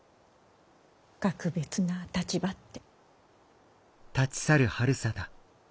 格別な立場って。